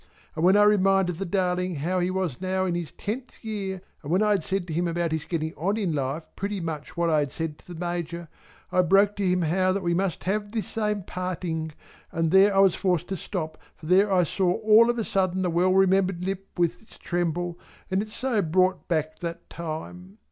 And when I had reminded the darling how that he was now in his tenth year and when I had said to him about his getting on in life pretty much what I had said to the Major I broke to him how that we must have this same parting, and there I was forced to stop for there I saw of a sudden the well remembered lip with its tremble, and it so brought back that time!